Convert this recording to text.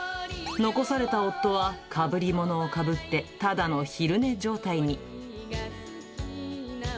残された夫は、かぶりものをかぶって、ただの昼寝状態に。